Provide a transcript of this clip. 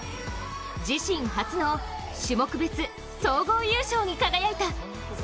自身初の種目別総合優勝に輝いた。